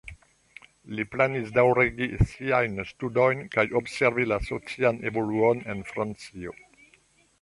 Li planis daŭrigi siajn studojn kaj observi la socian evoluon en Francio.